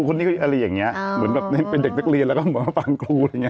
คนนี้อะไรอย่างเงี้ยเหมือนแบบเป็นเด็กนักเรียนแล้วก็เหมือนมาฟังครูอะไรอย่างเง